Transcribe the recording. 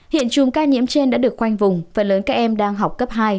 hiện chùm ca nhiễm trên đã được khoanh vùng phần lớn các em đang học cấp hai